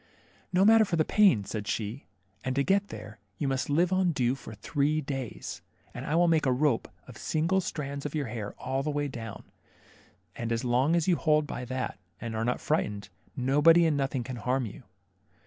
No matter for the pain," said she ; and to get there, you must live on dew for three days, and I will make a rope of single strands of your hair all the way down, and as long as you hold by that and are not frightened, nobody and nothing can harm you.